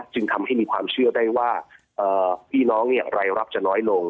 จึงทำให้มีความเชื่อได้ว่าพี่น้องรายรับจะน้อยลง